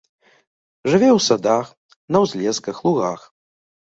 Жыве ў садах, на ўзлесках, лугах.